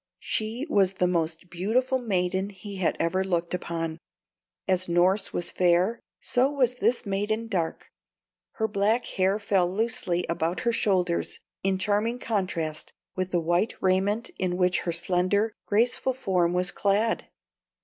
She was the most beautiful maiden he had ever looked upon. As Norss was fair, so was this maiden dark; her black hair fell loosely about her shoulders in charming contrast with the white raiment in which her slender, graceful form was clad.